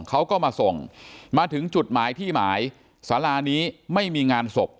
เขาก็มาส่งมาถึงจุดหมายที่หมายสารานี้ไม่มีงานศพ